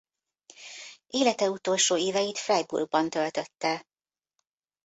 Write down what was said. Élete utolsó éveit Freiburgban töltötte.